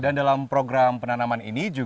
dan dalam program penanaman ini